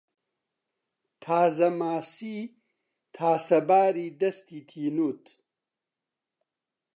تازەماسیی تاسەباری دەستی تینووت